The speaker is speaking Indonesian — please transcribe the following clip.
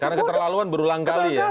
karena keterlaluan berulang kali ya